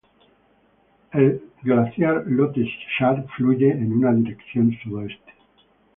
El Glaciar Lhotse Shar fluye en una dirección sudoeste.